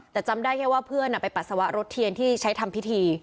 แต่จำได้แค่ว่าเพื่อนไปปัสสาวะรถเทียนที่ใช้ทำพิธี